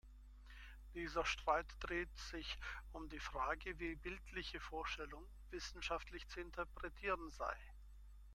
Dieser Streit dreht sich um die Frage, wie bildliche Vorstellung wissenschaftlich zu interpretieren sei.